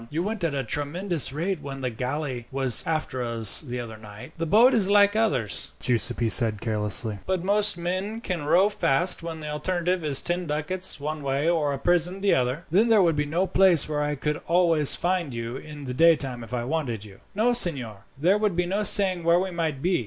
You went at a tremendous rate when the galley was after us the other night." "The boat is like others," Giuseppi said carelessly; "but most men can row fast when the alternative is ten ducats one way or a prison the other." "Then there would be no place where I could always find you in the daytime if I wanted you?" "No, signor; there would be no saying where we might be.